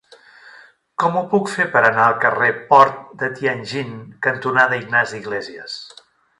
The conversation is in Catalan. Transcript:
Com ho puc fer per anar al carrer Port de Tianjin cantonada Ignasi Iglésias?